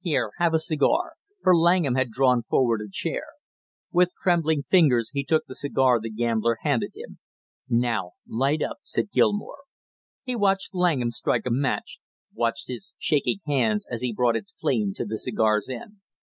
Here, have a cigar!" for Langham had drawn forward a chair. With trembling fingers he took the cigar the gambler handed him. "Now light up," said Gilmore. He watched Langham strike a match, watched his shaking hands as he brought its flame to the cigar's end.